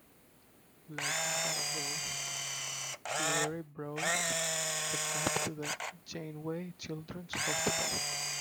Later that day, Cleary brought the Cup to the Janeway Children's Hospital.